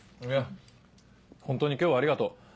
いやホントに今日はありがとう。